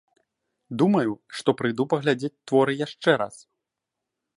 Думаю, што прыйду паглядзець творы яшчэ раз.